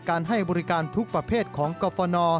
ให้บริการทุกประเภทของกรฟน